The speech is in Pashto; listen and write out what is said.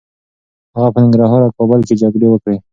هغه په ننګرهار او کابل کي جګړې وکړې.